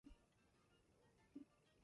Might May the mouse move in March?